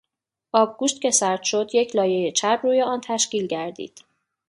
آبگوشت که سرد شد یک لایهی چرب روی آن تشکیل گردید.